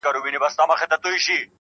شیخ ویله میکدې ته ځه جواز دی,